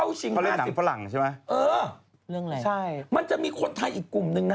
มันจะมีคนไทยอีกกลุ่มหนึ่งนะมันจะมีคนไทยอีกกลุ่มหนึ่งนะ